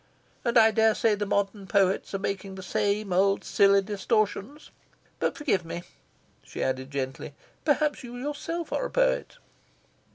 And I daresay the modern poets are making the same old silly distortions. But forgive me," she added gently, "perhaps you yourself are a poet?"